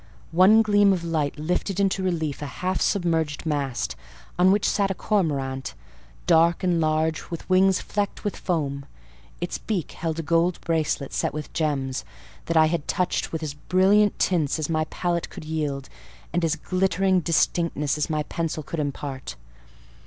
One gleam of light lifted into relief a half submerged mast, on which sat a cormorant, dark and large, with wings flecked with foam; its beak held a gold bracelet set with gems, that I had touched with as brilliant tints as my palette could yield, and as glittering distinctness as my pencil could impart.